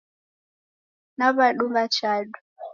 Nawadunga chadu